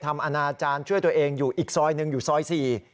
อนาจารย์ช่วยตัวเองอยู่อีกซอยหนึ่งอยู่ซอยสี่